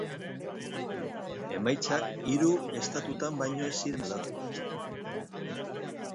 Emaitzak hiru estatutan baino ez ziren aldatu.